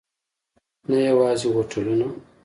نه یوازې هوټلونه.